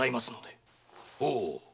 ほう。